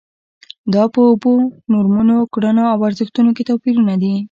دا په اوبو، نورمونو، کړنو او ارزښتونو کې توپیرونه دي.